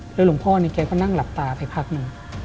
แล้วหลวงพ่อเนี่ยแกก็นั่งหลับตาแค่พักนึง